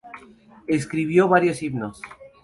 Escribió varios himnos.